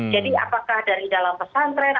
jadi apakah dari dalam pesantren